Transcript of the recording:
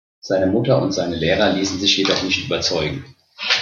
Seine Mutter und seine Lehrer ließen sich jedoch nicht überzeugen.